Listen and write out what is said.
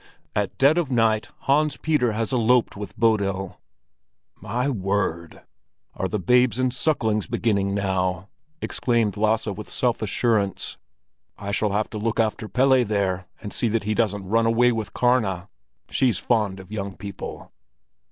At dead of night Hans Peter has eloped with Bodil!" "My word! Are the babes and sucklings beginning now?" exclaimed Lasse with self assurance. "I shall have to look after Pelle there, and see that he doesn't run away with Karna. She's fond of young people."